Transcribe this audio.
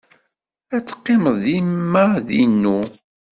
Ad teqqimeḍ dima inu.